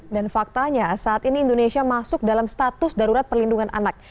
dan faktanya saat ini indonesia masuk dalam status darurat perlindungan anak